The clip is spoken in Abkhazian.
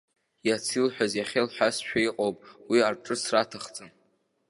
Иац илҳәаз иахьа илҳәазшәа иҟоуп, уи арҿыцра аҭахӡам.